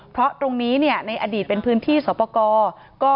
เพราะตรงนี้ในอดีตเป็นพื้นที่สอบประกอบ